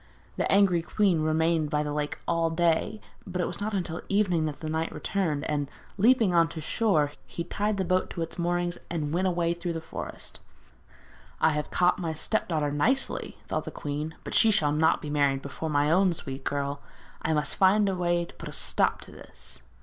The angry queen remained by the lake all day, but it was not until the evening that the knight returned, and leaping on shore, he tied the boat to its moorings and went away through the forest. 'I have caught my step daughter nicely,' thought the queen. 'But she shall not be married before my own sweet girl. I must find a way to put a stop to this.'